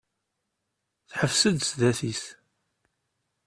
Teḥbes-d sdat-is.